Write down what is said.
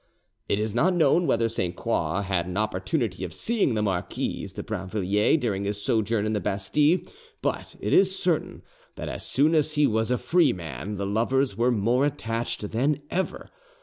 It is not known whether Sainte Croix had an opportunity of seeing the Marquise de Brinvilliers during his sojourn in the Bastille, but it is certain that as soon as he was a free man the lovers were more attached than ever.